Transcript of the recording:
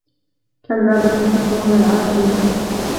كَلاَّ بَلْ تُحِبُّونَ الْعَاجِلَةَ